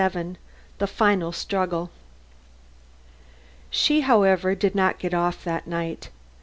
XXVII THE FINAL STRUGGLE She, however, did not get off that night.